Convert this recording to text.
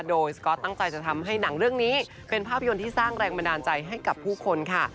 โดยสก๊อตตั้งใจจะทำให้หนังเรื่องนี้เป็นภาพยนตร์ที่สร้างแรงบันดาลใจให้กับผู้คนค่ะ